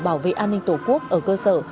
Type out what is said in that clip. bảo vệ an ninh tổ quốc ở cơ sở